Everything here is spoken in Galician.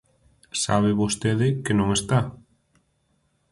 Sabe vostede que non está.